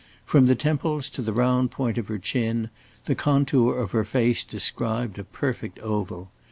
From the temples to the round point of her chin the contour of her face described a perfect oval.